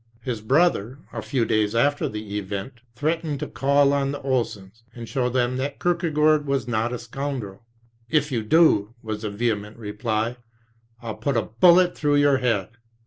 His brother, a few days after the event, threatened to call on the Olsens and show them that Kierkegaard was not a scoundrel. "If you do," was his vehement reply, "I'll put a bullet through your head."